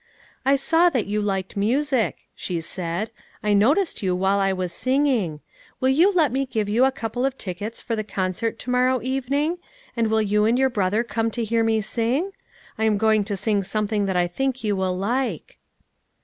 " I saw that you liked music," she said, " I noticed you while I was singing. Will you let me give you a couple of tickets for the concert to morrow even ing ; and will you and your brother come to hear me sing? I am going to sing something that I think you will like."